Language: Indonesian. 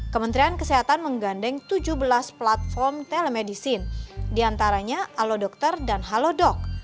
kementerian kesehatan menggandeng tujuh belas platform telemedicine diantaranya allo dokter dan halo dok